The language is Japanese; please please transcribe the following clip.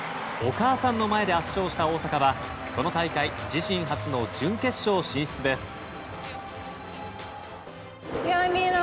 お母さんの前で圧勝した大坂はこの大会自身初の準決勝進出です。